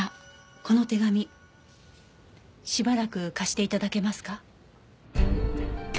この手紙しばらく貸して頂けますか？